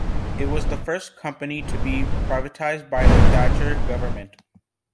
It was the first company to be privatised by the Thatcher government.